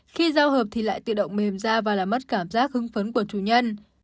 khi giao hợp thì lại tự động mềm ra và làm mất cảm giác hưng phấn của chủ nhân